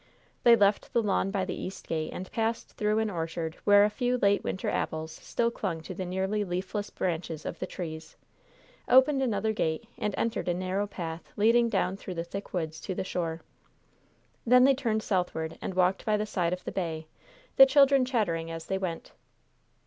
They left the lawn by the east gate and passed through an orchard where a few late winter apples still clung to the nearly leafless branches of the trees; opened another gate and entered a narrow path leading down through the thick woods to the shore. Then they turned southward and walked by the side of the bay, the children chattering as they went.